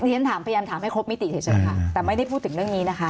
ฉันถามพยายามถามให้ครบมิติเฉยค่ะแต่ไม่ได้พูดถึงเรื่องนี้นะคะ